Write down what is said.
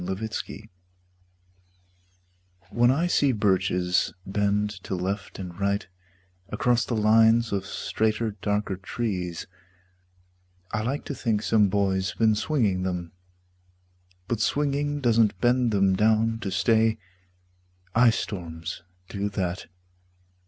BIRCHES When I see birches bend to left and right Across the lines of straighter darker trees, I like to think some boy's been swinging them. But swinging doesn't bend them down to stay. Ice storms do that.